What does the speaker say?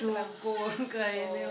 dukung kayak gini udah semua